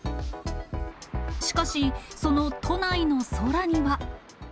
しかし、その都内の空には。